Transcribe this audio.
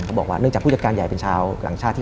เขาบอกว่าเนื่องจากผู้จักรการใหญ่เป็นชาวหลังชาติ